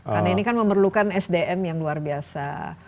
karena ini kan memerlukan sdm yang luar biasa